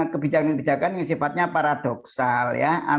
kebijakan kebijakan yang sifatnya paradoksal ya